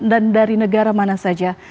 dan dari negara mana saja